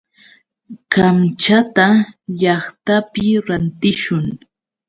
Kamchata llaqtapi rantishun.